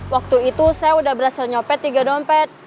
waktu itu saya udah berhasil nyopet tiga dompet